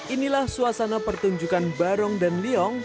inilah suasana pertunjukan barong dan liong